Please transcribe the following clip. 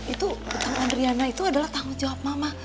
itu utama adriana itu adalah tanggung jawab mama